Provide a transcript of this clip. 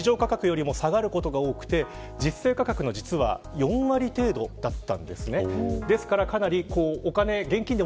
実際の市場価格よりも下がることが起きて実際価格の実は４割程度だったんです。